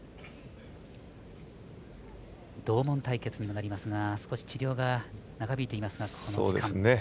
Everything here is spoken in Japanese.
同門対決になりますが少し治療が長引いていますがこの時間。